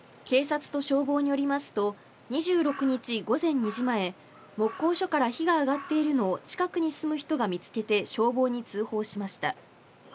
警察と消防によりますと、２６日午前２時前、木工所から火が上がっているのを近くに住む人が見つけて、消防に通報しました。